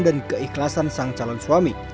dan keikhlasan sang calon suami